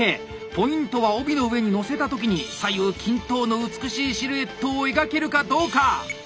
ポイントは帯の上にのせた時に左右均等の美しいシルエットを描けるかどうか。